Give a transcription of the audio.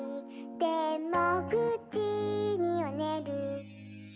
「でも９じにはねる」